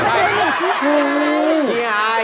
พี่อาย